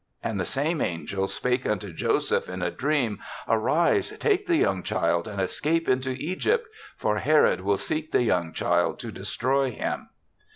And the same angel spake unto Joseph in a dream, ' Arise. Take the young child and escape into Egypt; for Herod will seek the young child to destroy him.'